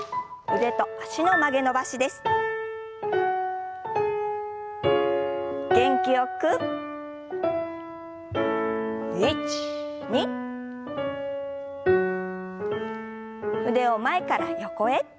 腕を前から横へ。